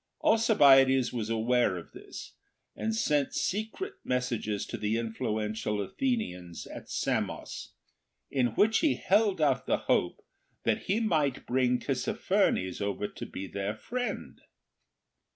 Alcibiades was aware of this, and sent secret mes sages to the influential Athenians at Samos, in which he held out the hope that he might bring Tissaphernes over to be their friend.